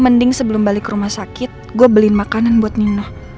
mending sebelum balik rumah sakit gue beliin makanan buat nino